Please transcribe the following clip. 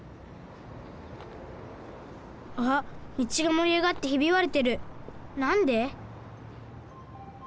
あっみちがもりあがってひびわれてるなんで？